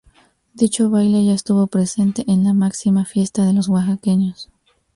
Dicho baile ya estuvo presente en la máxima fiesta de los oaxaqueños.